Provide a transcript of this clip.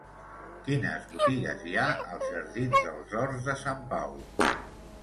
Quines botigues hi ha als jardins dels Horts de Sant Pau?